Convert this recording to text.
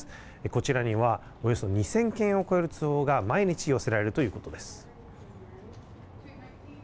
こちらにはおよそ２０００件を超える通報が毎日寄せられるということです。